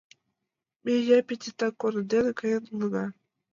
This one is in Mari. Ме, Япи, титак корно дене каен улына.